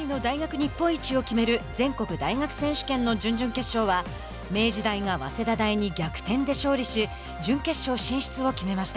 日本一を決める全国大学選手権の準々決勝は明治大が早稲田大に逆転で勝利し準決勝進出を決めました。